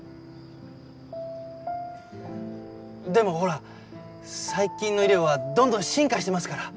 でもほら最近の医療はどんどん進化してますから！